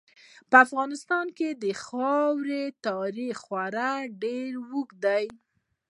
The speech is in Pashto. په افغانستان کې د خاورې تاریخ خورا ډېر اوږد دی.